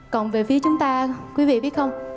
còn về phía chúng ta quý vị biết không